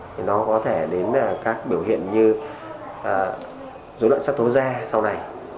thì nó có thể đến là các biểu hiện như dối loạn sắc tố da sau này